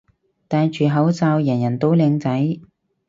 戴住口罩人人都靚仔